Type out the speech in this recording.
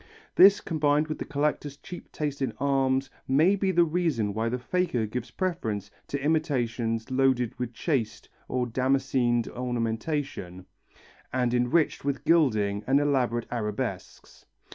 This combined with the collector's cheap taste in arms may be the reason why the faker gives preference to imitations loaded with chased or damascened ornamentation, and enriched with gilding and elaborate arabesques.